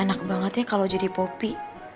enak banget ya kalau jadi kopi